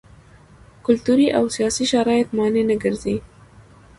کلتوري او سیاسي شرایط مانع نه ګرځي.